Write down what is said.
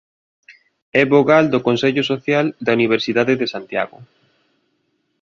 É vogal do Consello Social da Universidade de Santiago.